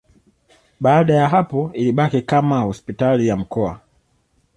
Baada ya hapo ilibaki kama hospitali ya mkoa.